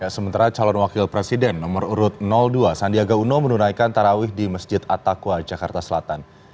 sementara calon wakil presiden nomor urut dua sandiaga uno menunaikan tarawih di masjid attaqwa jakarta selatan